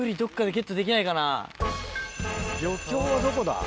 漁協はどこだ？